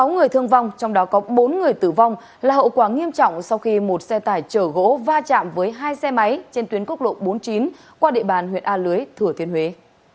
sáu người thương vong trong đó có bốn người tử vong là hậu quả nghiêm trọng sau khi một xe tải chở gỗ va chạm với hai xe máy trên tuyến quốc lộ bốn mươi chín qua địa bàn huyện a lưới thừa thiên huế